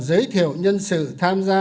giới thiệu nhân sự tham gia